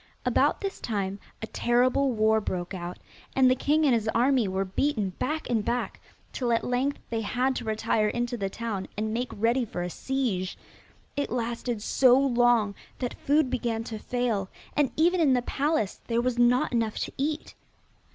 About this time a terrible war broke out, and the king and his army were beaten back and back, till at length they had to retire into the town, and make ready for a siege. It lasted so long that food began to fail, and even in the palace there was not enough to eat.